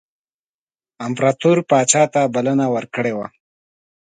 امپراطور پاچا ته بلنه ورکړې وه.